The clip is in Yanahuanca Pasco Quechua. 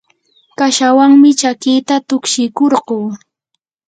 kashawanmi chakita tukshikurquu.